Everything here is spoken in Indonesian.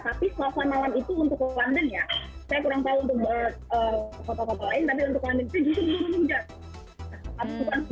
tapi selesai malam itu untuk london ya saya kurang tahu untuk kota kota lain tapi untuk london itu juga turun hujan